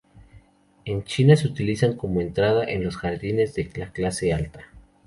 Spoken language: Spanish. En china se utilizan como entrada en los jardines de la clase alta.